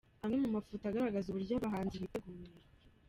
Amwe mu mafoto agaragaza uburyo abahanzi biteguye.